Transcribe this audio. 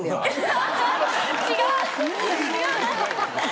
違う。